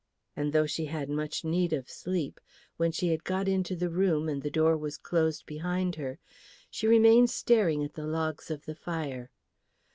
And though she had much need of sleep, when she had got into the room and the door was closed behind her, she remained staring at the logs of the fire.